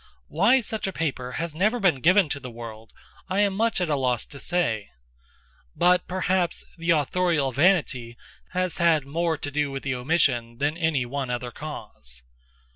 Why such a paper has never been given to the world, I am much at a loss to say—but, perhaps, the autorial vanity has had more to do with the omission than any one other cause.